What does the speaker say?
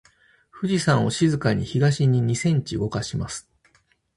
富士山を静かに東に二センチ動かします。